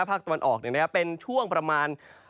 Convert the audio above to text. ภาคตะวันออกเนี่ยนะครับเป็นช่วงประมาณ